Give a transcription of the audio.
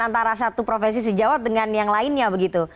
antara satu profesi sejawat dengan yang lainnya begitu